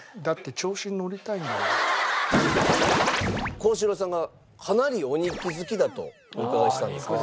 幸四郎さんがかなりお肉好きだとお伺いしたんですけど。